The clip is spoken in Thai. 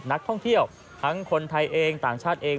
นักท่องเที่ยวทั้งคนไทยเองต่างชาติเอง